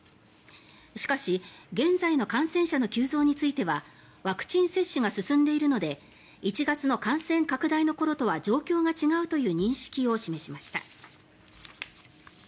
しかし、現在の感染者の急増についてはワクチン接種が進んでいるので１月の感染拡大の頃とは状況が違うという認識を示しました。